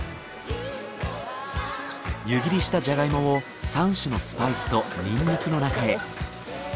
湯切りしたジャガイモを３種のスパイスとニンニクの中へ。